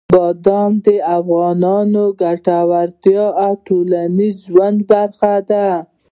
بادام د افغانانو د ګټورتیا او ټولنیز ژوند برخه ده.